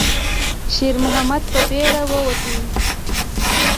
شېرمحمد په بیړه ووت.